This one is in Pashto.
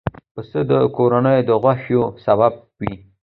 پسه د کورنیو د خوښیو سبب وي.